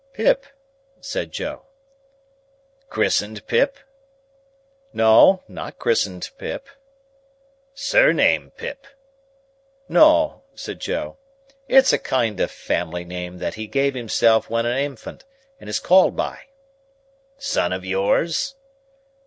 "Pip," said Joe. "Christened Pip?" "No, not christened Pip." "Surname Pip?" "No," said Joe, "it's a kind of family name what he gave himself when a infant, and is called by." "Son of yours?"